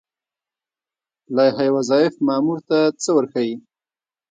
لایحه وظایف مامور ته څه ورښيي؟